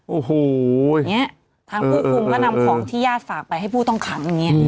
โอ้โหอย่างนี้ทางผู้คุมก็นำของที่ญาติฝากไปให้ผู้ต้องขังอย่างนี้